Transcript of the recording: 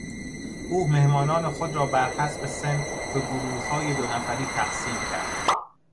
او مهمانان خود را بر حسب سن به گروههای دو نفری تقسیم کرد.